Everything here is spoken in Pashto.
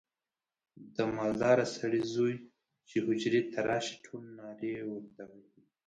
د مالداره سړي زوی چې حجرې ته راشي ټول نارې ورته وهي.